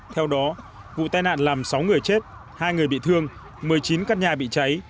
theo đó vụ tai nạn làm sáu người chết hai người bị thương một mươi chín căn nhà bị cháy